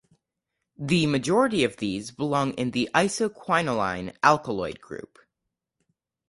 The majority of these belong to the isoquinoline alkaloid group.